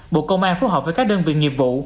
bộ công an phối hợp với các đơn vị nghiệp vụ